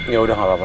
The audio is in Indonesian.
ya udah gak apa apa